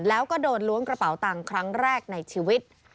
แล้วก็โดนล้วงกระเป๋าตังค์ครั้งแรกในชีวิต